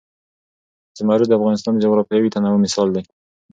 زمرد د افغانستان د جغرافیوي تنوع مثال دی.